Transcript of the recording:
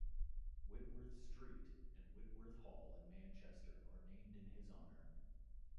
Whitworth Street and Whitworth Hall in Manchester are named in his honour.